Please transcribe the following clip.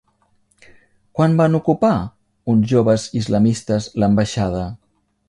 Quan van ocupar uns joves islamistes l'Ambaixada?